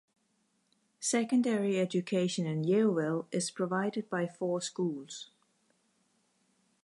Secondary education in Yeovil is provided by four schools.